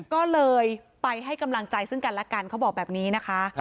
ก็เลยไปให้กำลังใจซึ่งกันและกันเขาบอกแบบนี้นะคะ